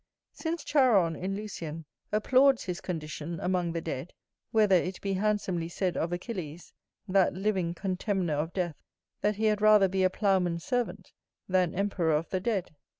Since Charon in Lucian applauds his condition among the dead, whether it be handsomely said of Achilles, that living contemner of death, that he had rather be a ploughman's servant, than emperor of the dead?